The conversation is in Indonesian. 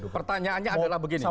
pertanyaannya adalah begini